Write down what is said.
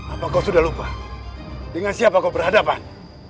apa kau sudah lupa dengan siapa kau berhadapan